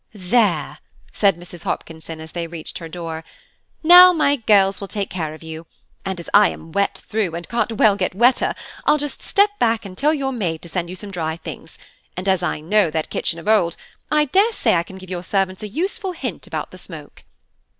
"There," said Mrs. Hopkinson, as they reached her door, "now my girls will take care of you; and as I am wet through, and can't well get wetter, I'll just step back and tell your maid to send you some dry things, and as I know that kitchen of old, I daresay I can give your servants a useful hint about the smoke."